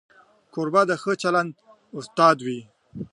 کوربه د ښه چلند استاد وي.